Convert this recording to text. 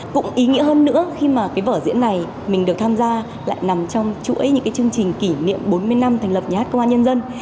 cũng ý nghĩa hơn nữa khi mà cái vở diễn này mình được tham gia lại nằm trong chuỗi những cái chương trình kỷ niệm bốn mươi năm thành lập nhà hát công an nhân dân